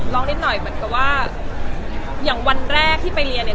เหมือนกับว่าอย่างวันแรกที่ไปเรียน